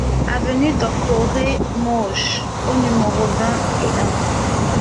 Avenue Doctoré Moges au numéro vingt et un